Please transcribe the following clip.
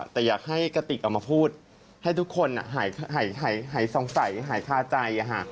แต่อยากให้กระติกออกมาพูดให้ทุกคนหายสงสัยหายคาใจ